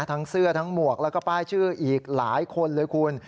ทั้งเสื้อทั้งหมวกแล้วก็ป้ายชื่ออีกหลายคนเลยคุณ